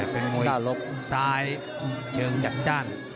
เป็นมวยลบซ้ายเชิงจัดจ้าน